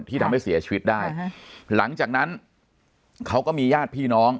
ทำให้เสียชีวิตได้หลังจากนั้นเขาก็มีญาติพี่น้อง